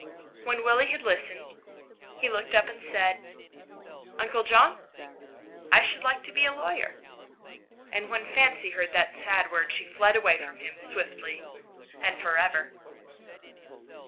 When Willie had listened, he looked up and said, " Uncle John, I should like to be a lawyer." And when Fancy heard that sad word she fled away from him swiftly and for ever.